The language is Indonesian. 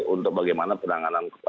untuk bagaimana penanganan